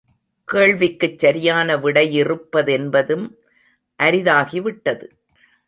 கேள்விக்குச் சரியான விடையிறுப்பதென்பதும் அரிதாகிவிட்டது.